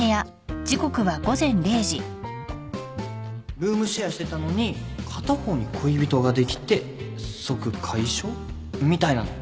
ルームシェアしてたのに片方に恋人ができて即解消みたいなの